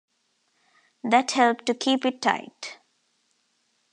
That helped to keep it tight.